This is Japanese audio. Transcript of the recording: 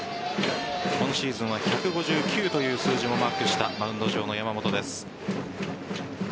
今シーズンは１５９という数字もマークしたマウンド上の山本です。